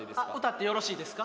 歌ってよろしいですか